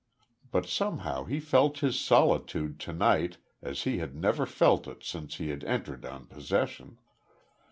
But somehow he felt his solitude to night as he had never felt it since he had entered on possession.